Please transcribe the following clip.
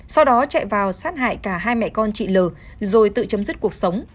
sau đó chạy vào sát hại cả hai mẹ con chị l rồi tự chấm dứt cuộc sống